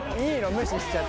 無視しちゃって。